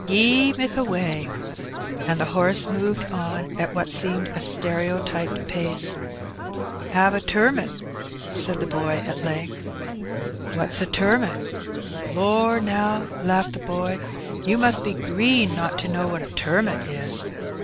" Gee, meth a way," and the horse moved on at what seemed a stereotyped pace. "'Ave a turmut? said the boy at length. " What's a turmut ?" "Lor*, now/' laughed the boy, "you must be green not to know what a turmut is.''